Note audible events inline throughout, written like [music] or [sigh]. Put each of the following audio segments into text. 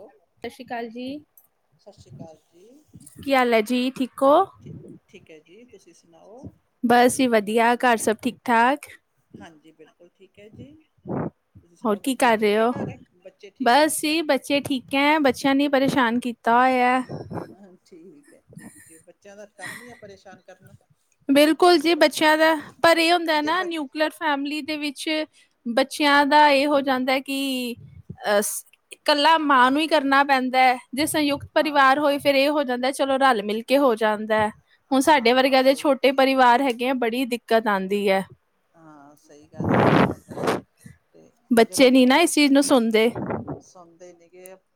Hello ਸਤਿ ਸ੍ਰੀ ਅਕਾਲ ਜੀ। ਸਤਿ ਸ੍ਰੀ ਅਕਾਲ ਜੀ ਕੀ ਹਾਲ ਹੈ ਜੀ ਠੀਕ ਹੋ? ਠੀਕ ਹੈ, ਜੀ। ਜੀ ਤੁਸੀ ਸੁਣਾਓ? ਬਸ ਹੀ ਵਧੀਆ, ਘਰ ਸਭ ਠੀਕ-ਠਾਕ? ਹਾਂਜੀ ਬਿਲਕੁਲ ਹੋਰ ਠੀਕ ਐ ਜੀ। ਤੁਸੀਂ ਹੋਰ ਸੁਣਾਓ ਕੀ ਬੱਚੇ ਕਰ ਰਹੇ ਠੀਕ ਹੈ ਹੋ ਘਰ ਬੱਚੇ ਠੀਕ ਹੈ ਬਸ ਹੀ ਬੱਚੇ ਠੀਕ ਹੈ, ਬੱਚਿਆਂ ਨੇ ਪਰੇਸ਼ਾਨ ਕੀ ਤਾ ਹੋਇਆ, ਹਾਂ ਠੀਕ ਹੈ ਠੀਕ ਤੇ [inaudible] ਬੱਚਿਆਂ ਦਾ ਕੰਮ ਹੀ ਹੈ, ਪਰੇਸ਼ਾਨ ਕਰਨਾ ਬਿਲਕੁਲ ਇਹਨਾਂ ਨੇ ਜੀ ਪਰੇ ਬੱਚਿਆਂ ਦਾ ਹਾਂ ਪਰ ਇਹ ਹੁੰਦਾ ਜੇ ਨਾ ਬ ਨਿਊਕਲੀਅਰ ਫੈਮਿਲੀ ਦੇ ਵਿਚ ਵਿਚ ਬੱਚਿਆਂ ਦਾ ਇਹ ਹੋ ਜਾਂਦਾ ਕਿ ਅਹ ਇਕੱਲਾ ਮਾਂ ਨੂੰ ਹੀ ਕਰਨਾ ਪੈਂਦਾ ਹੈ। ਜੇ ਸੰਯੁਕਤ ਹਾਂ ਪਰਿਵਾਰ ਹੋਏ ਫੇਰ ਇਹ ਹੋ ਜਾਂਦਾ। ਚਲੋ ਰਲ ਮਿਲ ਕੇ ਹੋ ਜਾਂਦਾ। ਹੁਣ ਸਾਡੇ ਹਾਂ ਵਰਗਿਆਂ ਦੇ ਸਹੀ, ਛੋਟੇ ਪਰਿਵਾਰ ਹੈਗੇ ਆ ਬੜੀ ਦਿਕਤ ਆਦੀ ਹੈ। ਹਾਂ ਸਹੀ ਗੱਲ ਹੈ ਸਹੀ ਗੱਲ ਹੈ। ਬੱਚੇ ਨੀ ਨਾ ਇਸ ਚੀਜ਼ ਨੂੰ ਸੁਣਦੇ।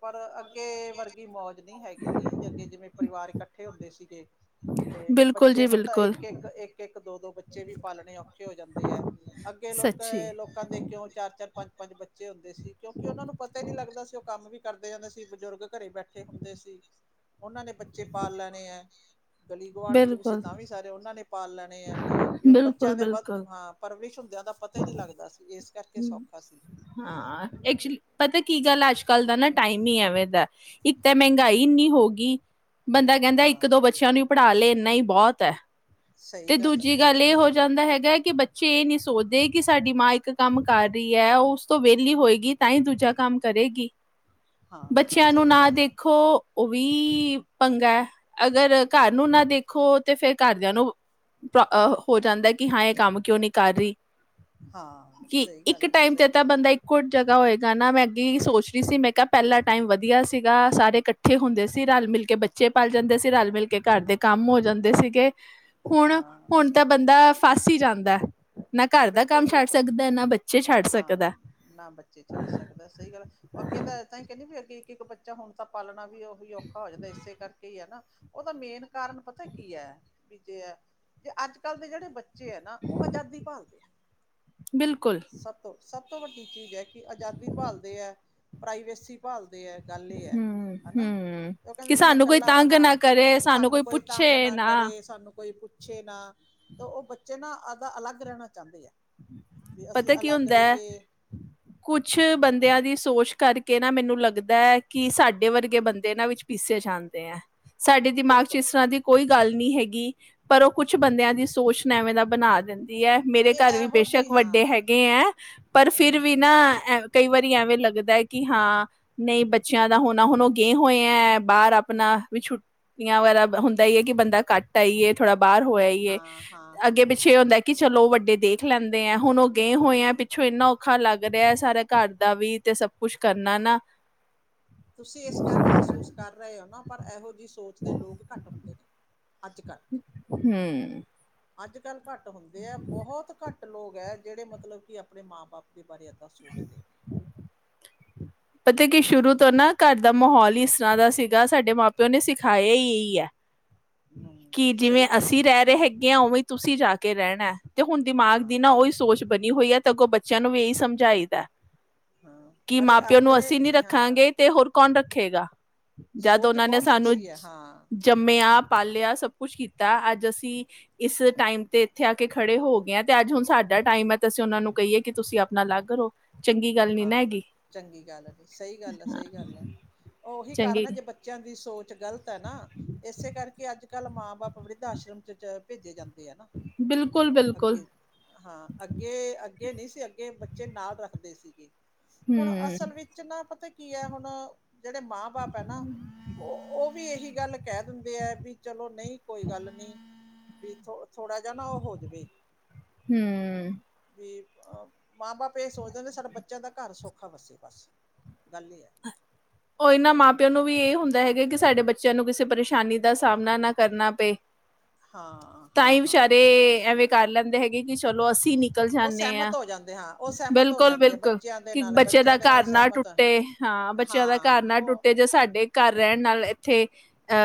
ਪਰ ਅੱਗੇ ਵਰਗੀ ਮੋਤ [unintelligible] ਹੈਗੀ ਜੀ ਅੱਗੇ ਜਿਵੇਂ ਪਰਿਵਾਰਕ ਇਕੱਠੇ ਹੁੰਦੇ ਸੀ ਗੇ। ਤੇ ਬਿਲਕੁਲ ਬੱਚੇ ਜੀ ਹੁਣ ਤਾਂ ਬਿਲਕੁਲ ਇੱਕ ਇੱਕ-ਇੱਕ ਇਕ ਦੋ-ਦੋ ਬੱਚੇ ਵੀ ਪਾਲਨੇ ਔਖੇ ਹੋ ਜਾਂਦੇ ਐ ਅੱਗੇ ਲੋਕ ਸੱਚੀ ਲੋਕਾਂ ਦੇ ਕਿਉ ਚਾਰ ਕਾਰ ਪੰਜ ਪੰਜ ਬੱਚੇ ਹੁੰਦੇ ਸੀ ਕਿਉਕਿ ਓਨਾ ਨੂੰ ਪਤਾ ਈ ਨੀ ਲੱਗਦਾ ਸੀ ਉਹ ਕੰਮ ਵੀ ਕਰਦੇ ਜਾਂਦੇ ਸੀ, ਬਜ਼ੁਰਗ ਘਰੇ ਬੈਠੇ ਹੁੰਦੇ ਸੀ। ਓਨਾ ਨੇ ਬੱਚੇ ਪਾਲ ਲੈਨੇ ਐ ਗਲੀ ਗੁਆਂਢ ਚ ਵੀ ਸੀ ਬਿਲਕੁਲ ਤਾਂ ਵੀ ਸਾਰੇ ਓਨਾ ਨੇ ਪਾਲ ਲੈਨੇ ਐ ਵੀ ਓ ਬੱਚਿਆਂ ਬਿਲਕੁਲ ਦੇ ਵੱਧ ਬਿਲਕੁਲ ਹਾਂ, ਪਰਵਰਿਸ਼ ਹੁੰਦੀਆ ਦਾ ਪਤਾ ਈ ਨੀ ਲੱਗਦਾ ਸੀ। ਇਸ ਕਰਕੇ ਸੌਖਾ ਸੀ ਹਾਂ, ਤੇ ਐਕਚੁਲੀ ਪਤਾ ਕੀ ਗੱਲ ਐ, ਅੱਜ-ਕੱਲ ਦਾ ਨਾ ਟਾਈਮ ਈ ਐਂਵੇ ਦੈਇੱਕ ਤਾਂ ਮੈੰਗਾਈ ਇੰਨੀ ਹੋ ਗਈ ਬੰਦਾ ਕੈੰਦੈ ਇੱਕ ਦੋ ਹਾਂ ਬੱਚਿਆਂ ਨੂੰ ਈ ਪੜਾ ਲੇ। ਨਈ ਬਹੁਤ ਐ। ਸਹੀ ਤੇ ਹੈ ਦੂਜੀ ਸਹੀ ਗੱਲ ਏ ਹੈ, ਹੋ ਜਾਂਦਾ ਹੈਗਾ ਕਿ ਬੱਚ ਬਚੇ ਨੀ ਸੋਚਦੇ ਕਿ ਸਾਡੀ ਮਾਂ ਇੱਕ ਕੰਮ ਕਰ ਰਹੀ ਐ, ਓ ਉਸ ਤੋਂ ਵੇਲੀ ਹੋਏਗੀ, ਤਾਂ ਈ ਦੂਜਾ ਕੰਮ ਕਰੇਗੀ। ਹਾਂ ਬੱਚਿਆਂ ਨੂੰ ਸਹੀ ਨਾ ਗੱਲ ਹੈ ਦੇਖੋ ਓਵੀ ਪੰਗੈ ਅਗਰ ਘਰ ਨੂੰ ਨਾ ਦੇਖੋ, ਤੇ ਫੇਰ ਘਾਰਦਿਆਂ ਨੂੰ [unintelligible] ਹੋ ਜਾਂਦੈ ਏ ਕਿ ਹਾਂ ਏ ਕੰਮ ਕਿਉਂ ਨੀ ਕਰ ਰੀ। ਹਾਂ। ਕਿ ਸਹੀ ਇੱਕ ਗੱਲ ਹੈ ਟਾਈਮ ਤੇ ਸਹੀ ਤਾ ਬੰਦਾ ਇੱਕ ਕੁਜ਼ ਜਗਾ ਹੋਏਗਾ ਨਾ ਮੈਂ ਅੱਗੇ ਏਈ ਸੋਚ ਰੀ ਸੀ। ਮੈ ਕੇਆ ਪੈਲਾ ਟਾਈਮ ਵਧੀਆ ਸੀਗਾ ਸਾਰੇ ਕੱਠੇ ਹੁੰਦੇ ਸੀ। ਰਲਮਿਲ ਕੇ ਬੱਚੇ ਪੱਲ ਜਾਂਦੇ ਸੀ ਰਲਮਿਲ ਕੇ ਘਰ ਦੇ ਕੰਮ ਹੋ ਜਾਂਦੇ ਸੀਗੇ। ਹੁਣ, ਹਾਂ ਹੁਣ ਸ ਤਾਂ ਬੰਦਾ ਫੱਸ ਈ ਜਾਂਦੈ। ਨਾ ਘਰ ਦਾ ਬਿਲਕੁਲ ਕੰਮ ਛੱਡ ਬਿਲਕੁਲ ਸਕਦਾ ਨਾ ਬੱਚੇ ਛੱਡ ਹਾਂ ਸਕਦਾ ਨਾ ਬੱਚੇ ਛੱਡ ਸਕਦਾ ਸਹੀ ਗੱਲ ਐ ਅੱਗੇ ਤਾ ਤਾਂ ਈ ਕੈਂਦੇ ਵੀ ਅੱਗੇ ਇੱਕ ਬੱਚਾ ਹੁਨ ਤਾਂ ਪਾਲਨਾ ਵੀ ਓਹੀ ਔਖਾ ਹੋ ਜਾਂਦ ਇਸੇ ਕਰਕੇ ਈ ਹਨਾ ਓਦਾ ਮੇਨ ਕਾਰਨ ਪਤੈ ਕੀ ਐ। [unintelligible] ਜੇ ਅੱਜ-ਕੱਲ ਦੇ ਜੇੜੇ ਬੱਚੇ ਬੱਚੇ ਏ ਨਾ, ਓ ਆਜ਼ਾਦੀ ਭਾਲਦੇ ਆ ਬਿਲਕੁਲ। ਸਭ ਤੋਂ ਸਭ ਤੋਂ ਵੱਡੀ ਚੀਜ਼ ਏ। ਕਿ ਆਜ਼ਾਦੀ ਭਾਲਦੇ ਆ। ਪ੍ਰਾਈਵੇਸੀ ਭਾਲਦੇ ਹੈ। ਗੱਲ ਇਹ ਹੈ ਹਨਾ ਹੂੰ-ਹੂੰ ਤੇ ਉਹ ਕਹਿੰਦੇ ਕਿ ਵੀ ਮੈਂ ਸਾਨੂੰ ਕੋਈ ਕੱਲਾ ਤੰਗ ਰਵਾਂ ਨਾ ਕਰੇ, ਸਾਨੂੰ ਕੋਈ ਤੰਗ ਪੁੱਛੇ ਨਾ ਕਰੇ ਸਾਨੂੰ ਕੋਈ ਪੁ ਪੁਛੇ ਨਾ ਤੇ ਉਹ ਬੱਚੇ ਨਾ ਆਪਦਾ ਅਲੱਗ ਰਹਿਣਾ ਚਾਹੰਦੇ ਆ। ਵੀ ਅਸੀਂ ਪਤਾ ਕੀ ਅਲੱਗ ਹੁੰਦਾ ਹੈ, ਰਹੀਏ ਕੁਛ ਬੰਦਿਆਂ ਦੀ ਸੋਚ ਕਰਕੇ ਨਾ ਮੈਨੂੰ ਲੱਗਦਾ ਹੈ ਕਿ ਸਾਡੇ ਵਰਗੇ ਬੰਦੇ ਨਾਂ ਵਿੱਚ ਪੀਸੇ ਜਾਂਦੇ ਏ। ਸਾਡੇ ਦਿਮਾਗ ਚ ਬਿਲਕੁਲ ਇਸ ਤਰ੍ਹਾਂ ਦੀ ਕੋਈ ਗੱਲ ਨਹੀਂ ਹੈਗੀ ਪਰ ਉਹ ਕੁਛ ਬੰਦਿਆਂ ਦੀ ਸੋਚ ਐਵੇਂ ਦਾ ਬਣਾ ਦਿੰ ਇਹੈ ਮੇਰੇ ਇਹ ਘਰ ਵੀ ਇਹੋ ਬੇਸ਼ੱਕ। ਜੀ ਵੱਡੇ ਹਾਂ ਹੈਗੇ ਹੈ ਪਰ ਫਿਰ ਹੂੰ ਵੀ ਨਾ ਹੂੰ ਅ ਕਈ ਵਾਰੀ ਐਵੇਂ ਲੱਗਦਾ ਹੈ ਕਿ ਹਾਂ ਨਹੀਂ ਬੱਚਿਆਂ ਦਾ ਹੁਣ ਹੁਣ ਉਹ ਗਏ ਹੋਏ ਹੈ, ਬਾਹਰ ਆਪਣਾ ਵੀ ਛੁੱਟੀਆਂ ਵਗਰਾ ਹੁੰਦਾ ਈ ਹੈ ਕਿ ਬੰਦਾ ਘੱਟ ਆਈਏ ਥੋੜ੍ਹਾ ਬਾਹਰ ਹੋਇਆ ਹੋ ਆਈਏ ਹਾਂ ਹਾਂ ਹਾਂ ਅੱਗੇ ਹਾਂ ਪਿੱਛੇ ਹੁੰਦਾ ਕਿ ਚਲੋ ਵੱਡੇ, ਦੇਖ ਲੈਂਦੇ। ਹੁਣ ਉਹ ਗਏ ਹੋਏ ਆ ਪਿੱਛੋਂ ਇੰਨਾ ਔਖਾ ਲੱਗ ਰਿਹਾ ਸਾਰਾ ਘਰ ਦਾ ਵੀ ਤੇ ਸਭ ਕੁਛ ਕਰਨਾ ਨਾ ਤੁਸੀਂ ਇਸ ਗੱਲ ਨੂੰ ਮਹਿਸੂਸ ਕਰ ਰਹੇ ਹੋ ਨਾ ਪਰ ਇਹੋ ਜਿਹੀ ਸੋਚਦੇ ਲੋਕ ਘੱਟ ਹੁੰਦੇ ਨੇ। ਅੱਜ ਹੂੰ, ਅੱਜ-ਕੱਲ੍ਹ, ਘੱਟ ਹੁੰਦੇ ਆ ਬਹੁਤ ਘੱਟ ਲੋਕ ਹੈ ਜਿਹੜੇ ਮਤਲਬ ਕਿ ਆਪਣੇ ਮਾਂ, ਬਾਪ ਦੇ ਬਾਰੇ, ਦਾ ਸੋਚਦੇ ਨੇ ਪਤਾ ਕੀ ਸ਼ੁਰੂ ਤੋਂ ਨਾ ਘਰ ਦਾ ਮਾਹੌਲ ਹੀ ਇਸ ਤਰ੍ਹਾਂ ਦਾ ਸੀਗਾ ਸਾਡੇ ਮਾਂ ਪਿਓ ਨੇ ਸਿਖਾਏ ਇਹੀ ਹੈ। ਨੇ ਹੂੰ ਕੀ ਜਿਵੇਂ ਸਹੀ ਗੱਲ ਹੈ ਅਸੀਂ ਸਹੀ ਰਹਿ ਰਹੇ ਹੈਗੇ ਹਾਂ ਉਵੇਂ ਤੁਸੀਂ ਜਾ ਕੇ, ਕਿ ਰਹਿਣਾ, ਤੇ ਹੁਣ ਦਿਮਾਗ ਹਾਂ ਦੀ ਨਾ ਉਹੀ ਸੋਚ, ਬਣੀ ਹੋਈ ਹੈ ਤਾਂ ਅੱਗੋਂ ਬੱਚਿਆਂ ਨੂੰ ਵੀ ਇਹੀ ਸਮਝਾਈਦਾ। ਹਾਂ ਕਿ ਪਰ ਮਾਂ, ਇਹ ਪਿਓ ਨੂੰ ਆਪਣੇ ਅਸੀਂ ਨੀ ਹਾਂ ਰੱਖਾਂਗੇ ਤੇ ਹੋਰ ਕੌਣ ਰੱਖ ਰੱਖੇਗਾ। ਜਦ ਉਹ ਸੋਚ ਨੇ ਬਹੁਤ ਸਾਨੂੰ ਅੱਛੀ ਹੈ ਹਾਂ ਜੰਮਿਆ। ਲਿਆ ਸਭ ਕੁਛ ਕੀਤਾ, ਅੱਜ ਅਸੀਂ ਇਸ ਟਾਈਮ ਤੇ ਇੱਥੇ ਆ ਕੇ ਖੜੇ ਹੋ ਗਏ ਆ ਤੇ ਅੱਜ ਹੁਣ ਸਾਡਾ ਟਾਈਮ ਐ ਤੇ ਅਸੀਂ ਉਹਨਾਂ ਨੂੰ ਕਹੀਏ ਕਿ ਤੁਸੀਂ ਆਪਣਾ ਅਲੱਗ ਰੋ ਹਾਂ, ਚੰਗੀ ਗੱਲ ਜੇ ਸਹੀ ਗੱਲ ਆ ਹਾਂ ਸਹੀ ਗੱਲ,। ਉਹੀ ਚੰਗੀ ਕਾਰਨ ਹੈ ਜੇ ਬੱਚਿਆਂ ਦੀ ਸੋਚ ਤੇ ਗ਼ਲਤ ਹੈ ਨਾ, ਏਸੇ ਕਰਕੇ ਅੱਜ ਕੱਲ ਮਾਂ ਬਾਪ ਵਰਿੱਧ ਆਸ਼ਰਮ ਚ ਪ ਭੇਜੇ ਜਾਂਦੇ ਅੱਗੇ ਆ ਬਿਲਕੁਲ ਬਿਲਕੁਲ ਅੱਗੇ ਹਾਂ ਅਗੇ -ਅਗੇ ਅੱਗੇ ਨਹੀਂ ਸੀ, ਅੱਗੇ ਬੱਚੇ ਨਾਲ ਰੱਖਦੇ ਸੀ। ਹੁਣ ਹਮ ਅਸਲ ਵਿੱਚ ਨਾ ਪਤਾ ਕੀ ਹੈ। ਹੁਣ ਜਿਹੜੇ ਮਾਂ -ਬਾਪ ਹੈ ਨਾ ਉਹ ਉਹ ਵੀ ਇਹੀ ਗੱਲ ਕਹਿ ਦਿੰਦੇ ਆ ਵੀ ਚਲੋ। ਨਹੀਂ, ਕੋਈ ਗੱਲ ਨੀ। ਵੀ ਥੋ ਥੋੜਾ ਜਿਆ ਨਾ ਉਹ ਹੋ ਜਵੇ ਹਮ ਵੀ ਆ। ਮਾਂ ਬਾਪ ਇਹ ਸੋਚਦੇ ਨੇ ਸਾਡਾ ਬੱਚ ਬੱਚਿਆਂ ਦਾ ਘਰ ਸੌਖਾ ਵਸੇ ਬਸ, ਗੱਲ ਏਹ ਐ। ਉਹ ਇਹਨਾਂ ਮਾਂ ਪਿਓ ਨੂੰ ਵੀ ਇਹ ਹੁੰਦਾ ਹੈਗਾ ਕਿ ਸਾਡੇ ਬੱਚਿਆਂ ਨੂੰ ਕਿਸੇ ਪਰੇਸ਼ਾਨੀ ਦਾ ਸਾਹਮਣਾ ਨਾ ਕਰਨਾ ਪਏ। ਹਾਂ ਤਾਂ ਹਾਂ ਇ ਹਾਂ ਵਿਚਾਰੇ ਸਹੀ ਐਵੇਂ ਕਰ ਲੈਂਦ। ਐ ਹੈਗੇ ਕਿ ਚਲੋ ਅਸੀਂ ਨੀ ਕਲ ਉਹ ਜਾਂਨੇ ਆਂ ਸਹਿਮਤ ਹੋ ਜਾਂਦੇ ਹਾਂ ਉਹ ਸਹਿਮਤ ਹੋ ਬਿਲਕੁਲ- ਜਾਂਦੇ ਆ ਬਿਲਕੁਲ ਬੱਚਿਆਂ ਦੇ ਕਿ ਨਾਲ ਬੱਚੇ ਬੱਚਿਆਂ ਦਾ ਦੇ ਨਾਲ ਘਰ ਨਾ ਸਹਿਮਤ ਟੁੱਟੇ ਹਾਂ ਬੱਚਿਆਂ ਦਾ ਹਾਂ ਘਰ ਨਾ ਉਹ ਟੁੱਟੇ ਜੇ ਸਾਡੇ ਘਰ ਰਹਿਣ ਨਾਲ ਏਥੇ ਆ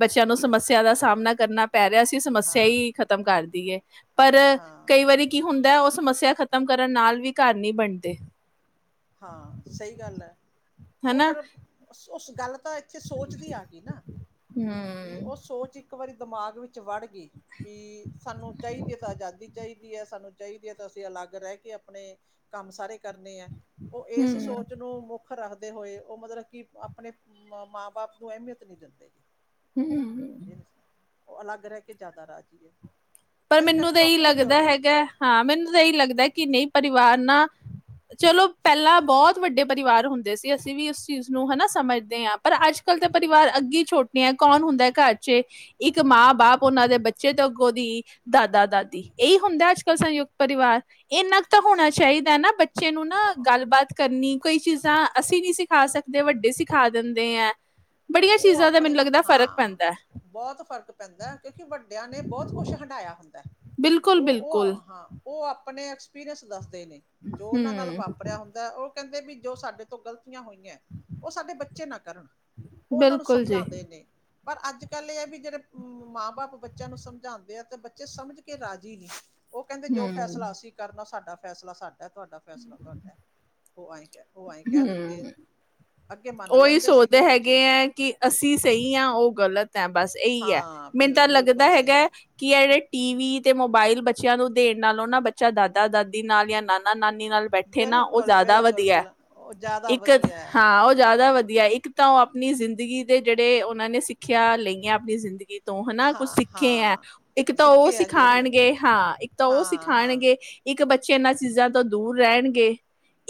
ਬੱਚਿਆ ਨੂੰ ਸਮੱਸਿਆ ਦਾ ਸਾਮਣਾ ਕਰਨਾ ਪ ਪੈਰ ਅਸੀ ਸਮੱਸਿਆ ਹਾਂ ਹੀ ਖ਼ਤਮ ਕਰਤੀ ਏ। ਪਰ, ਹਾਂ ਕਈ ਵਾਰੀ ਕੀ ਹੁੰਦਾ ਉਹ ਸਮੱਸਿਆ ਖਤਮ ਤਮ ਕਰਨ ਨਾਲ ਵੀ ਘਰ ਨੀ ਬਣਦੇ। ਹਾਂ ਸਹੀ ਗੱਲ ਏ। ਉਹ ਹਨਾ ਫਿਰ ਉਸ ਉਸਨੂੰ ਕੱਲ। ਤਾ ਇੱਥੇ ਸੋਚਦੀ ਆਗੀ ਨਾ ਵੀ ਹੂੰ, ਉਹ ਸੋਚ ਇੱਕ ਵਾਰੀ ਦਿਮਾਗ ਵਿੱਚ ਵੜ। ਕਿ, ਕਿ ਸਾਨੂੰ ਚਾਈਦੀ ਏ ਤਾਂ ਆਜ਼ਾਦੀ ਚਾਹੀ ਕਿ ਏ ਸਾਨੂੰ ਚਾਈਦੀ ਏ ਤਾਂ ਅਸੀਂ ਅਲੱਗ ਰਹਿ ਕੇ ਆਪਣੇ ਕੰਮ ਸਾਰੇ ਕਰਨੇ ਐ। ਉਹ ਏਸ ਹੂੰ, ਸੋਚ ਨੂੰ ਮੁੱਖ ਹ ਰੱਖਦੇ ਹੋਏ ਉਹ ਮਤਰਬ ਕਿ ਆਪਣੇ ਮਾਂ ਬਾਪ ਨੂੰ ਅਹਮੀਅਤ ਨਈ ਦਿੰਦੇ। ਹੂੰ, ਇਹ ਉਹ ਅਲੱਗ ਰਹਿ ਕੇ ਜ਼ਿਆਦਾ ਰਾਜੀ ਹੈ। ਪਰ ਇਸ ਮੈਨੂੰ ਕਰਕੇ ਤਾਂ ਇਹੀ ਔਖੇ ਵੀ ਹੋ ਲੱਗਦਾ ਰਹੇ ਹੈਗਾ ਹਾਂ ਮੈਨੂੰ ਤਾਂ ਇਹੀ ਲੱਗਦਾ ਕਿ ਨਹੀਂ ਪਰਿਵਾਰ ਚਲੋ ਪਹਿਲਾਂ ਬਹੁਤ ਵੱਡੇ ਪਰਿਵਾਰ ਹੁੰਦੇ ਸੀ ਅਸੀਂ ਵੀ ਉਸ ਚੀਜ਼ ਨੂੰ ਹਨਾ ਸਮਝਦੇ ਹਾਂ ਆਪ, ਪਰ ਅੱਜ ਕੱਲ੍ਹ ਤੇ ਪਰਿਵਾਰ ਅੱਗੇ ਛੋਟ ਕੌਣ ਹੁੰਦਾ ਘਰ ਚ ਇੱਕ ਮਾਂ ਬਾਪ ਉਹਨਾਂ ਦੇ ਬੱਚੇ ਤੋਂ ਅੱਗੋਂ ਦੀ, ਦਾਦਾ-ਦਾਦੀ ਇਹੀ ਹੁੰਦਾ ਅੱਜ ਕੱਲ੍ਹ ਸੰਯੁਕਤ ਪਰਿਵਾਰ ਇੰਨਾ ਕੁ ਤਾਂ ਹੋਣਾ ਚਾਹੀਦਾ ਨਾ ਬੱਚੇ ਨੂੰ ਨਾ ਗੱਲਬਾਤ ਕਰਨੀ ਕੋਈ ਚੀਜ਼ਾਂ ਅਸੀਂ ਨੀ ਸਿਖਾ ਸਕਦੇ ਵੱਡੇ ਸਿਖਾ ਦਿੰਦੇ ਹੈ। ਬੜੀਆਂ ਉਹ ਚੀਜ਼ਾਂ ਦਾ ਆਪਣੇ ਮੈਨੂੰ ਲੱਗਦਾ ਫ਼ਰਕ ਹਾਂ ਪੈਂਦਾ ਬਹੁਤ ਫ਼ਰਕ ਪੈਂਦਾ ਕਿਉਂਕਿ ਵੱਡਿਆਂ ਨੇ ਬਹੁਤ ਕੁਛ ਹੰਢਾਇਆ ਹੁੰਦਾ। ਬਿਲਕੁਲ ਉਹ -ਬਿਲਕੁਲ ਉਹ ਹਾਂ ਉਹ ਆਪਣੇ ਐਕਸਪੀਰੀਅਸ ਦੱਸਦੇ। ਨੇ ਜੋ ਉਹਨਾਂ ਨਾਲ ਹਮ ਵਾਪਰਿਆ ਹੁੰਦਾ ਉਹ ਕਹਿੰਦੇ ਵੀ ਜੋ ਸਾਡੇ ਤੋਂ ਗਲਤ ਹੋਈਆਂ ਉਹ ਸਾਡੇ ਬੱਚੇ ਨਾ ਕਰਨ। ਉਹਨਾਂ ਨੂੰ ਬਿਲਕੁਲ ਜੀ ਸਮਝਾਂਦੇ ਨੇ। ਪਰ ਅੱਜ ਕੱਲ੍ਹ ਇਹ ਹੈ ਵੀ ਜਿਹੜੇ ਮਾਂ ਬਾਪ ਬੱਚਿਆਂ ਨੂੰ ਸਮਝਾਉਂਦੇ ਆ ਤੇ ਬੱਚੇ ਸਮਝ ਕੇ ਰਾਜੀ ਨਹੀਂ [inaudible] ਉਹ ਕਹਿੰਦੇ ਜੋ ਹਮ ਫੈਸਲਾ ਅਸੀਂ ਕਰਨਾ ਸਾਡਾ ਫੈਸਲਾ ਸਾਡਾ ਤੁਹਾਡਾ ਫੈਸਲਾ ਤੁਹਾਡਾ ਹੋ ਆਏ। ਉਹ ਆਏਂ ਕਹਿ ਦਿੰਦੀ ਹਮ ਹੈ ਅੱਗੇ ਮੰਨ ਉਹੀ ਲੈਂਦੇ ਸੀਗੇ ਸੋਚਦੇ ਹੈਗੇ ਬੱਚੇ ਹੈ ਕਿ ਅਸੀਂ ਸਹੀ ਹਾਂ ਉਹ ਗਲਤ ਤਾਂ ਬਸ ਇਹੀ ਹੈ ਹਾਂ ਮੈਨੂੰ ਬਿਲ ਤਾਂ ਲੱਗਦਾ ਬਿਲਕੁਲ ਸਹੀ ਹੈਗਾ ਕਿ ਜਿਹੜੇ ਟੀ ਵੀ ਤੇ ਮੋਬਾਇਲ ਬੱਚਿਆਂ ਨੂੰ ਦੇਣ ਨਾਲ ਉਹ ਨਾ ਬੱਚਾ ਦਾਦਾ ਦਾਦੀ ਨਾਲ ਜਾਂ ਨਾਨਾ ਨਾਨੀ ਨਾਲ ਬੈਠੇ ਨਾ ਉਹ ਬਿਲਕੁਲ ਜ਼ਿਆਦਾ ਬਿਲਕੁਲ ਵਧੀਆ ਬਿਲ ਉਹ ਜ਼ਿਆਦਾ ਇੱਕ ਵਧੀਆ ਹੈ ਹਾਂ ਉਹ ਜਾ ਜ਼ਿਆਦਾ ਵਧੀਆ ਇੱਕ ਤਾਂ ਉਹ ਆਪਣੀ ਜ਼ਿੰਦਗੀ ਦੇ ਜਿਹੜੇ ਉਹਨਾਂ ਨੇ ਸਿੱਖਿਆ ਲਈਆਂ ਆਪਣੀ ਜ਼ਿੰਦਗੀ ਤੋਂ ਹਨਾ ਕੁਛ ਹਾਂ ਸਿੱਖੇ ਹੈ ਹਾਂ ਇੱਕ ਤਾਂ ਉਹ ਸਿੱਖੇ ਆ ਜੋ ਵੀ ਸਿਖਾਂਣਗੇ ਹਾਂ ਇੱਕ ਤਾਂ ਉਹ ਹਾਂ ਹਾਂ ਸਿਖਾਂਣਗੇ ਇੱਕ ਬੱਚੇ ਬੱਚੇ ਇਹਨਾਂ ਚੀਜ਼ਾਂ ਤੋਂ ਦੂਰ ਰਹਿਣਗੇ।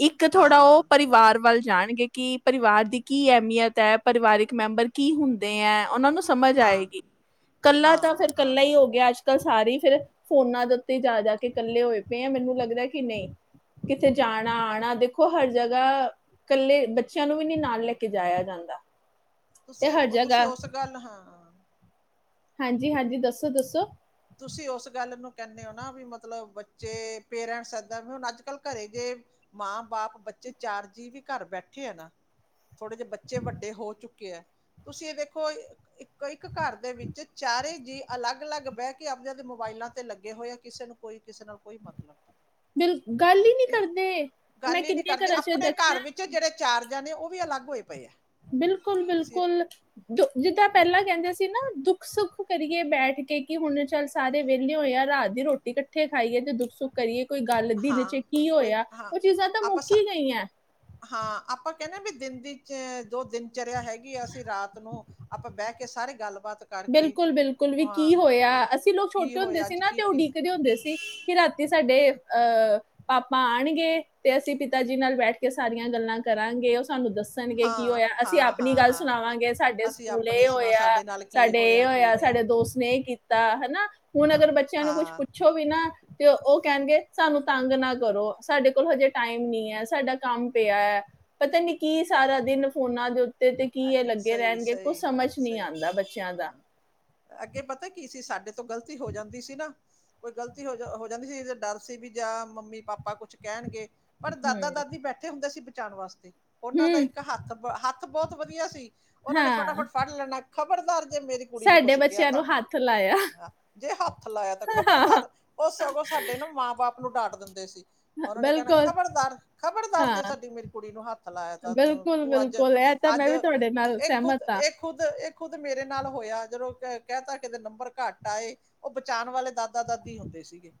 ਇੱਕ ਥੋੜਾ ਉਹ ਹਾਂ ਪਰਿਵਾਰ ਵੱਲ ਜਾਣਗੇ ਕਿ ਪਰਿਵਾਰ ਦੀ ਕੀ ਅਹਿਮੀਅਤ ਹੈ ਪਰਿਵਾਰਿਕ ਮੈਂਬਰ ਕੀ ਹੁੰਦੇ ਹੈ ਉਹਨਾਂ ਨੂੰ ਸਮਝ ਹਾਂ ਆਏਗੀ ਕੱਲਾ ਤਾਂ ਹਾਂ ਫੇਰ ਹਾਂ ਕੱਲਾ ਹੀ ਹੋ ਗਿਆ ਅੱਜ ਸਾਰੀ ਫਿਰ ਫੋਨਾਂ ਦੇ ਉੱਤੇ ਜਾ -ਜਾ ਕੇ ਕੱਲੇ ਹੋਏ ਪਏ ਆ ਮੈਨੂੰ ਲੱਗਦਾ ਕਿ ਨਹੀਂ ਕਿੱਥੇ ਜਾਣਾ ਆਉਣਾ ਦੇਖੋ ਹਰ ਜ ਕੱਲੇ ਬੱਚਿਆਂ ਨੂੰ ਵੀ ਨੀ ਨਾਲ ਲੈ ਕੇ ਜਾਇਆ ਜਾਂਦਾ। ਤੇ ਤੁਸੀਂ ਹਰ ਉਹ ਤੁਸੀਂ ਜਗ੍ਹਾ ਉਸ ਗੱਲ ਹਾਂ ਹਾਂਜੀ ਹਾਂਜੀ ਦੱਸੋ ਦੱਸੋ। ਤੁਸੀਂ ਉਸ ਗੱਲ ਨੂੰ ਕਹਿੰਦੇ ਹੋ ਨਾ ਵੀ ਮਤਲਬ ਬੱਚੇ ਪੇਰੈਂਟਸ ਏਦਾਂ ਵੀ ਹੁਣ ਅੱਜ ਕੱਲ ਘਰੇ ਜੇ ਮਾਂ ਬਾਪ ਬੱਚੇ ਚਾਰ ਜੀ ਵੀ ਘਰ ਬੈਠੇ ਆ ਨਾ ਥੋੜੇ ਜਿਹੇ ਬੱਚੇ ਵੱਡੇ ਹੋ ਚੁੱਕੇ ਆ ਤੁਸੀਂ ਇਹ ਦੇਖੋ ਇੱਕ ਇੱਕ ਘਰ ਦੇ ਵਿੱਚ ਚਾਰੇ ਜੀ ਅਲੱਗ ਅਲੱਗ ਬਹਿ ਕੇ ਆਪਦੇ ਆਪਦੇ ਮੋਬਾਇਲਾਂ ਤੇ ਲੱਗੇ ਹੋਏ ਆ ਕਿਸੇ ਨੂੰ ਕੋਈ ਕਿਸੇ ਨਾਲ ਕੋਈ ਮਤਲਬ ਨਹੀਂ। ਬਿਲ ਗੱਲ ਹੀ ਨਹੀਂ ਇਹ ਕਰਦੇ ਮੈਂ ਗੱਲ ਹੀ ਕਿੰਨੀਆਂ ਘਰਾਂ ਚ ਦਸਿਆਂ ਜਾਂ ਤੇ ਉਹ ਵੀ ਅਲੱਗ ਹੋਏ ਪਏ ਆ। ਬਿਲਕੁਲ ਤੁਸੀਂ ਬਿਲਕੁਲ ਦ ਜਿੱਦਾਂ ਵੀ ਪਹਿਲਾਂ ਕਹਿੰਦੇ ਸੀ ਨਾ ਦੁੱਖ ਸੁੱਖ ਕਰੀਏ ਬੈਠ ਕੇ ਕਿ ਹੁਣ ਚੱਲ ਸਾਰੇ ਵਿਹਲੇ ਹੋਏ ਆ ਰਾਤ ਦੀ ਰੋਟੀ ਇਕੱਠੇ ਖਾਈਏ ਤੇ ਦੁੱਖ ਸੁੱਖ ਕਰੀਏ। ਕੋਈ ਗੱਲ ਦਿਨ ਹਾਂ ਚ ਕੀ ਕੋਈ ਹੋਇਆ ਹਾਂ ਉਹ ਚੀਜ਼ਾਂ ਤਾਂ ਆਪਾਂ ਮੁੱਕੀ ਹੀ ਗਈਆ। ਹਾਂ ਆਪਾਂ ਕਹਿੰਦੇ ਵੀ ਦਿਨ ਦੀ ਚ ਜੋ ਦਿਨ ਚਲਿਆ ਹੈਗੀ ਆ ਅਸੀਂ ਰਾਤ ਨੂੰ ਆਪਾਂ ਬਹਿ ਕੇ ਸਾਰੇ ਗੱਲਬਾਤ ਕਰਕੇ ਬਿਲਕੁਲ ਬਿਲਕੁਲ ਵੀ ਹਾਂ ਕੀ ਹੋਇਆ ਵੀ ਅਸੀਂ ਲੋਕ ਕੀ ਛੋਟੇ ਹੁੰਦੇ ਹੋਇਆ ਸੀ ਅੱਜ ਨਾ ਕੀ ਤੇ ਕੀਤਾ। ਉਡੀਕਦੇ ਹੁੰਦੇ ਸੀ ਕਿ ਰਾਤੀ ਸਾਡੇ ਅਹ ਪਾਪਾ ਆਣਗੇ ਤੇ ਅਸੀਂ ਪਿਤਾ ਜੀ ਨਾਲ ਬੈਠ ਕੇ ਸਾਰੀਆਂ ਗੱਲਾਂ ਕਰਾਂਗੇ। ਤੁਹਾਨੂੰ ਦੱਸਣਗੇ ਕੀ ਹਾਂ ਹੋਇਆ ਅਸੀਂ ਹਾਂ ਆਪਣੀ ਹਾਂ ਗੱਲ ਹਾਂ ਸੁਣਾਵਾਂਗੇ ਸਾਡੇ ਅਸੀਂ ਸਕੂਲ ਆਪਣੀ ਇਹ ਸੁਣਾ ਹੋਇਆ ਸਾਡੇ ਨਾਲ ਕੀ ਸਾਡੇ ਇਹ ਕੀ ਹੋਇਆ ਨਹੀਂ ਸਾਡੇ ਦੋਸਤ ਨੇ ਇਹ ਕੀਤਾ ਹੈਨਾ। ਹੁਣ ਹਾਂ ਅਗਰ ਬੱਚਿਆਂ ਨੂੰ ਕੁੱਛ ਹਾਂ ਪੁੱਛੋ ਵੀ ਨਾ ਤੇ ਉਹ ਕਹਿਣਗੇ ਸਾਨੂੰ ਤੰਗ ਨਾ ਕਰੋ ਸਾਡੇ ਕੋਲ ਹਜੇ ਟਾਈਮ ਨਹੀਂ ਹੈ ਸਾਡਾ ਕੰਮ ਪਿਆ ਹੈ ਪਤਾ ਨੀ ਕੀ ਸਾਰਾ ਦਿਨ ਫੋਨਾਂ ਦੇ ਉਤੇ ਤੇ ਕੀ ਇਹ ਅੱਗੇ ਲੱਗੇ ਸਹੀ ਰਹਿਣਗੇ ਕੁਛ ਸਹੀ ਹਾਂ ਸਮਝ ਨਹੀਂ ਸਹੀ ਆਉਂਦਾ ਬਚੇ ਹਾਂ ਅੱਗੇ ਪਤਾ ਕੀ ਸੀ ਸਾਡੇ ਤੋਂ ਗ਼ਲਤੀ ਹੋ ਜਾਂਦੀ ਸੀ ਨਾ। ਕੋਈ ਗ਼ਲਤੀ ਹੋ ਜਾ ਹੋ ਜਾਂਦੀ ਸੀ ਜ ਡਰ ਸੀ ਵੀ ਜਾਂ ਮੰਮੀ ਪਾਪਾ ਕੁਛ ਕਹਿਣਗੇ ਪਰ ਦਾਦਾ ਹੂੰ, ਦਾਦੀ ਬੈਠੇ ਹੁੰਦੇ ਸੀ। ਜਾਣ ਵਾਸਤੇ ਉਹਨਾਂ ਦਾ ਹੂੰ, ਇੱਕ ਹੱਥ ਹੱਥ ਬਹੁਤ ਵਧੀਆ ਸੀ ਉਹ ਨੇ ਹਾਂ, ਫਟਾਫਟ ਫੜ ਲੈਣਾ ਖਬਰਦਾਰ ਜੇ ਮੇਰੀ ਕੁੜੀ ਨੂੰ ਸਾਡੇ ਕੁਛ ਕਿਹਾ ਬੱਚਿਆਂ ਤਾਂ ਨੂੰ ਹੱਥ ਲਾਇਆ ਜੇ ਹੱਥ ਲਾਇਆ ਤਾਂ ਹਾਂ, ਖ਼ਬਰਦਾਰ ਉਹ ਸਗੋਂ ਸਾਡੇ ਨੂੰ ਮਾਂ ਬਾਪ ਨੂੰ ਡਾਟ ਦਿੰਦੇ ਸੀ ਉਹਨਾਂ ਨੇ ਕਹਿਣਾ ਬਿਲਕੁਲ, ਖਬਰਦਾਰ ਖ਼ਬਰਦਾਰ ਹਾਂ, ਜੇ ਸਾਡੀ ਮੇਰੀ ਕੁੜੀ ਨੂੰ ਹੱਥ ਲਾਇਆ ਤਾਂ ਤੂੰ ਅੱਜ ਬਿਲਕੁਲ-ਬਿਲਕੁਲ ਇਹ ਤਾਂ ਅੱਜ ਮੈਂ ਵੀ ਤੁਹਾਡੇ ਨਾਲ ਇਹ ਖੁਦ ਸਹਿਮਤ ਹਾਂ। ਇਹ ਖੁਦ ਇਹ ਖੁਦ ਮੇਰੇ ਨਾਲ ਹੋਇਆ ਜਦੋਂ ਕਹਿ ਤ ਕਿਦੇ ਨੰਬਰ ਘੱਟ ਆਏ ਉਹ ਬਚਾਂਣ ਵਾਲੇ ਦਾ ਦਾਦਾ ਦਾਦੀ ਹੁੰਦੇ ਸੀਗੇ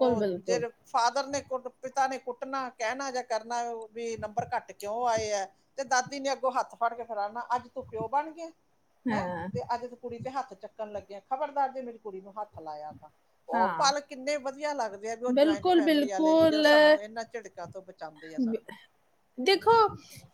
ਉਹ ਜਿਹੜ ਫਾਦਰ ਨੇ ਪਿਤਾ ਨੇ ਕੁੱਟਣਾ ਕਹਿਣਾ ਜਾਂ ਕਰਨਾ ਵੀ ਨੰਬਰ ਘੱਟ ਕਿਉਂ ਆਏ। ਤੇ ਦਾਦੀ ਨੇ ਅ ਹੱਥ ਫੜ ਕੇ ਫਿਰਾਨਾ ਅੱਜ ਤੂੰ ਪਿਓ ਬਣ ਗਏ। ਹੈਂ ਹਾਂ, ਤੇ ਅੱਜ ਤ ਕੁੜੀ ਤੇ ਹੱਥ ਚੱਕਣ ਲੱਗਿਆ ਖ਼ਬਰਦਾਰ ਜੇ ਮੇਰੀ ਕੁੜੀ ਨੂੰ ਹੱਥ ਲਾਇਆ ਉਹ ਹਾਂ, ਪਲ ਕਿੰਨੇ ਵਧੀਆ ਲੱਗਦੇ ਆ ਵੀ ਉਹ ਜੁਆਇੰਟ ਫੈਮਲੀ ਵਾਲੇ ਵੀ ਜੋ ਬਿਲਕੁਲ-ਬਿਲਕੁਲ ਸਾਨੂੰ ਇਹਨਾਂ ਝਿੜਕਾਂ ਤੋਂ ਬਚਾਉਂਦੇ ਆ ਸਾਨੂੰ। ਦੇਖੋ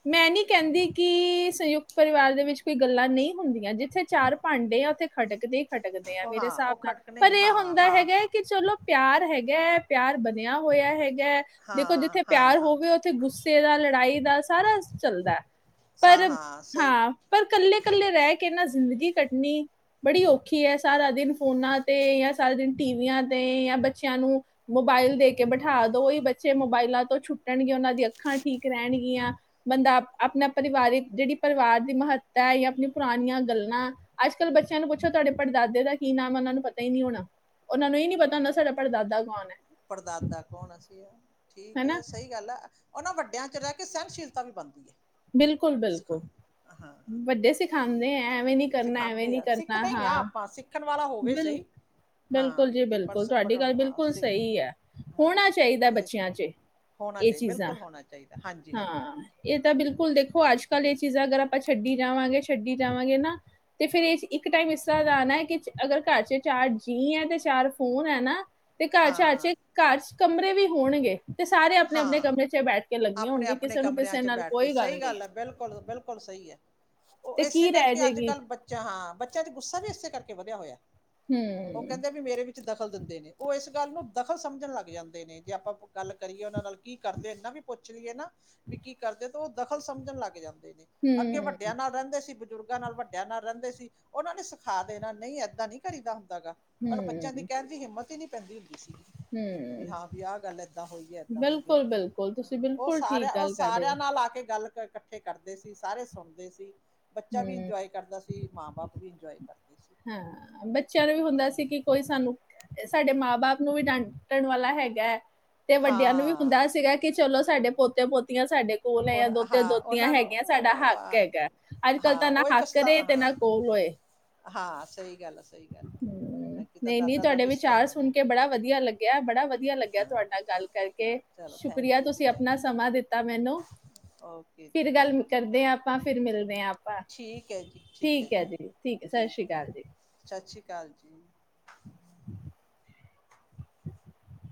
ਮੈਂ ਨਹੀਂ ਕਹਿੰਦੀ ਕਿ ਸੰਯੁਕਤ ਪਰਿਵਾਰ ਦੇ ਵਿੱਚ ਕੋਈ ਗੱਲਾਂ ਨਹੀਂ ਹੁੰਦੀਆਂ ਜਿੱਥੇ ਚਾਰ ਭਾਂਡੇ ਆ ਉੱਥੇ ਖੜਕਦੇ ਭਟਕਦੇ ਆ ਉਹ ਮੇਰੇ ਹਾਂ ਹਿਸਾਬ ਉਹ ਨਾਲ ਖਟਕ ਪਰ ਨਹੀਂ ਇਹ ਹਾਂ ਹ ਹਾਂ ਹੈਗਾ ਕਿ ਚਲੋ ਪਿਆਰ ਹੈਗਾ ਹੈ ਪਿਆਰ ਬਣਿਆ ਹੋਇਆ ਹੈਗਾ ਦੇਖੋ ਹਾਂ ਜਿੱਥੇ ਹਾਂ ਪਿਆਰ ਹਾਂ ਹੋਵੇ ਉੱਥੇ ਗੁੱਸੇ ਦਾ ਲੜਾਈ ਦਾ ਸਾਰਾ ਚੱਲਦਾ ਹੈ। ਸਾ ਪਰ ਹਾਂ ਸਹੀ ਹਾਂ ਪਰ ਇਕੱਲੇ ਇਕੱਲੇ ਰਹਿ ਕੇ ਨਾ ਜ਼ਿੰਦਗੀ ਕੱਟਣੀ ਬੜੀ ਔਖੀ ਹੈ ਸਾਰਾ ਦਿਨ ਫੋਨਾਂ ਤੇ ਜਾਂ ਸਾਰੇ ਦਿਨ ਟੀਵੀਆਂ ਤੇ ਜਾਂ ਬੱਚਿਆਂ ਨੂੰ ਮੋਬਾਇਲ ਦੇ ਕੇ ਬਿਠਾ ਦੋ ਹੀ ਬੱਚੇ ਮੋਬਾਇਲਾਂ ਤੋਂ ਛੁੱਟਣਗੇ ਉਹਨਾਂ ਦੀ ਅੱਖਾਂ ਠੀਕ ਰਹਿਣਗੀਆਂ ਬੰਦਾ ਆਪਣਾ ਪਰਿਵਾਰਿਕ ਜਿਹੜੀ ਪਰਿਵਾਰ ਦੀ ਮਹੱਤਤਾ ਹੈ ਜਾਂ ਆਪੀਆਂ ਪੁਰਾਣੀਆਂ ਗੱਲਾਂ ਅੱਜ ਕੱਲ੍ਹ ਬੱਚਿਆਂ ਨੂੰ ਪੁੱਛੋ ਤੁਹਾਡੇ ਪੜਦਾਦੇ ਦਾ ਕੀ ਨਾਮ ਹੈ ਉਨ੍ਹਾਂ ਨੂੰ ਪਤਾ ਹੀ ਨਹੀਂ ਹੋਣਾ। ਉਹਨਾਂ ਨੂੰ ਨਹੀ ਪਤਾ ਹੁੰਦਾ ਸਾਡਾ ਪਰੜਦਾਦਾ ਕੌਣ ਹੈ। ਪੜਦਾਦਾ ਕੌਣ ਅਸੀਂ ਆ ਠੀਕ ਹੈ ਹੈਨਾ ਸਹੀ ਗੱਲ ਆ ਉਹਨਾਂ ਵੱਡਿਆਂ ਚ ਰਹਿ ਕੇ ਸਹਿਣਸ਼ੀਲਤਾ ਵੀ ਬਣਦੀ ਏ। ਬਿਲਕੁਲ ਬਿਲਕੁਲ ਵੱਡੇ ਸਿਖਾ ਦੇ ਹੈ ਐਵੇਂ ਨੀ ਕਰਨਾ ਐਵੇਂ ਸਿਖਾਉਂਦੇ ਨੀ ਆ ਕਰਨਾ ਸਿੱਖਦੇ ਹੀ ਆ ਹਾਂ। ਆਪਾਂ ਸਿੱਖਣ ਵਾਲਾ ਹੋਵੇ ਬਿਲ ਸਹੀ ਹਾਂ ਬਿਲਕੁਲ ਜੀ ਤੇ ਪਰ ਬਿਲਕੁਲ ਤੁਹਾਡੀ ਗੱਲ ਹਾਂ ਬਿਲਕੁਲ ਸਿ ਸਹੀ ਹੈ ਹਾਂ ਹੋਣਾ ਚਾਹੀਦਾ ਸਿੱਖ ਬੱਚਿਆਂ ਚ ਹੋਣਾ ਇਹ ਚਾਹੀਦਾ ਚੀਜ਼ਾਂ ਬਿਲਕੁਲ ਹੋਣਾ ਚਾਹੀਦਾ ਹਾਂਜੀ ਹਾਂਜੀ ਹਾਂ ਹਾਂਜੀ ਇਹ ਤਾਂ ਬਿਲਕੁਲ ਦੇਖੋ ਅੱਜ ਕੱਲ ਇਹ ਚੀਜ਼ਾਂ ਅਗਰ ਆਪਾਂ ਛੱਡੀ ਜਾਵਾਂਗੇ ਛੱਡੀ ਜਾਵਾਂਗੇ ਨਾ ਤੇ ਫੇਰ ਇਹ ਇੱਕ ਟਾਈਮ ਇਸ ਤਰ੍ਹਾਂ ਦਾ ਆਉਣਾ ਹੈ ਕਿ ਅਗਰ ਘਰ ਚ ਚਾਰ ਜੀ ਹੈ ਤੇ ਚਾਰ ਫੋਨ ਹੈ ਨਾ ਤੇ ਹਾਂ ਕਚਚੇ ਕਚ ਕਮਰੇ ਵੀ ਹੋਣਗੇ ਤੇ ਸਾਰੇ ਆਪਣੇ ਆਪਣੇ ਹਾਂ ਕਮਰੇ ਚ ਬੈਠ ਕੇ ਲੱਗੀਆਂ ਆਪਣੇ ਹੋਣਗੇ ਆਪਣੇ ਕਿਸੇ ਨੂੰ ਕਮਰਿਆਂ ਕਿਸੇ 'ਚ ਨਾਲ ਬੈਠ ਕੇ ਕੋਈ ਗੱਲ ਸਹੀ ਨਹੀਂ ਹੈ ਬਿਲਕੁਲ ਬਿਲਕੁਲ ਸਹੀ ਹੈ ਉਹ ਇਸੇ ਕਰਕੇ ਅੱਜ ਕੱਲ੍ਹ ਬੱਚਾ ਹਾਂ ਬੱਚਾ ਗੁੱਸਾ ਇਸ ਕਰਕੇਧਆ ਹੋਇਆ ਹੂੰ। ਉਹ ਕਹਿੰਦੇ ਵੀ ਮੇਰੇ ਵਿੱਚ ਦਖਲ ਦਿੰਦੇ ਨੇ। ਓ ਏਸ ਗੱਲ ਨੂੰ ਦਖ਼ਲ ਸਮਝਣ ਲੱਗ ਜਾਂਦੇ ਨੇ। ਜੇ ਆਪਾਂ ਗੱਲ- ਕਰੀਏ ਉਨਾਂ ਨਾਲ ਕੀ ਕਰਦੇ ਏਨਾ ਵੀ ਪੁੱਛ ਲੀਏ ਨਾ। ਵੀ ਕੀ ਕਰਦੇ ਤੇ ਓ ਦਖ਼ਲ ਸਮਝਣ ਲੱਗ ਜਾਂਦ- ਅੱਗੇ ਹੂੰ, ਵੱਡਿਆਂ ਨਾਲ ਰੇਂਦੇ ਸੀ। ਬਜ਼ੁਰਗਾਂ ਨਾਲ ਵੱਡਿਆਂ ਨਾਲ ਰੇਂਦੇ ਸੀ। ਉਨਾਂ ਨੇ ਸਿਖਾ ਦੇਣਾ ਨਈ ਏਦਾਂ ਨਈ ਕਰੀਦਾ ਹੁੰਦ- ਹੇਗਾ। ਪਰ ਬੱਚਿਆਂ ਦੀ ਹੂੰ, ਕੈਣ ਦੀ ਹਿੰਮਤ ਈ ਨੀ। ਪੈਂਦੀ ਵੀ ਹੂੰ। ਹਾਂ ਵੀ ਆਹ ਗੱਲ ਐ। ਬਿਲਕੁਲ- ਬਿਲਕੁਲ ਤੁਸੀਂ ਬਿਲਕੁਲ ਸਾਰਿਆਂ ਠੀਕ ਉਹ ਗੱਲ ਕਰ ਰਏ ਸਾਰਿਆਂ ਓ। ਨਾਲ ਆ ਕੇ ਗੱਲ ਕੋਈ ਕੱਠੇ ਕਰਦੇ ਸੀ ਸਾਰੇ ਸੁਣਦੇ ਸੀ। ਬੱਚਾ ਵੀ ਹੂੰ, ਇੰਜੋਏ ਕਰਦਾ ਸੀ ਮਾਂ ਬਾਪ ਵੀ ਇੰ- [inaudible] ਹਾਂ ਬੱਚਿਆਂ ਨੂੰ ਵੀ ਹੁੰਦਾ ਸੀ ਕਿ ਕੋਈ ਸਾਨੂੰ- ਸਾਡੇ ਮਾਂ ਬਾਪ ਨੂੰ ਵੀ ਡਾਂਟਣ ਵਾਲਾ ਹੈਗਾ ਐ। ਤੇ ਵੱਡਿਆਂ ਨੂੰ ਵੀ ਹਾਂ ਹੁੰਦਾ ਸੀਗਾ ਕਿ- ਚਲੋ ਸਾਡੇ ਪੋਤੇ ਪੋਤੇ- ਪੋਤੀਆਂ ਸਾਡੇ ਕੋਲ ਐ ਜਾਂ ਬ- ਦੋਤੇ, ਹਾਂ ਦੋਤੀਆਂ ਉਹਨਾਂ ਨੂੰ ਹੈਗੀਆਂ ਸਾਡਾ ਉਹ- ਹੱਕ ਆ- ਹੈਗਾ। ਅੱਜ ਕੱਲ੍ਹ ਤਾਂ ਹਾਂ ਨਾ ਉਹ ਇੱਕ ਹੱਕ ਸਤਾ ਰਏ ਹਾਂ ਤੇ ਨਾ ਹਾਂ ਕੋਲ ਹੋਏ। ਹਾਂ ਸਈ ਗੱਲ ਐ। ਹੂੰ- ਨਈ ਨਈ ਤੁਡੇ ਵਿਚਾਰ ਸਤਾਵਣ ਸੁਣ ਕੇ ਬੜਾ ਵਧੀਆ ਲੱਗਿਆ। ਬੜਾ ਵਧੀਆ ਲੱਗਿਆ ਹਾਂ ਤੁਹਾਡੇ ਨਾਲ ਗੱਲ ਚਲੋ ਹਾਂ ਕਰਕੇ। ਚਲੋ ਸ਼ੁਕਰੀਆ ਥੈਂਕ ਯੂ ਜੀ ਤੁਸੀਂ ਆਪਣਾ ਥੈਂਕ ਯੂ ਸਮਾਂ ਦਿੱਤਾ। ਮੈਨੂੰ ਓਕੇ ਜੀ ਫਿਰ ਥੈਂਕ ਗੱਲ ਯੂ ਜੀ ਕਰਦੇ ਆਂ ਆਪਾਂ। ਫਿਰ ਮਿਲਦੇ ਆਂ ਆਪਾਂ। ਠੀਕ ਹੈ ਜੀ ਹੈ ਠੀਕ ਐ ਜੀ। ਠੀਕ ਸਾਸਰੀ ਕਾਲ ਜੀ। ਸਾਸਰੀ ਕਾਲ ਜੀ। [inaudible]